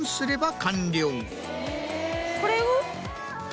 これを？